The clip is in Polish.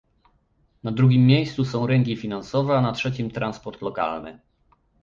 Na drugim miejscu są rynki finansowe a na trzecim transport lokalny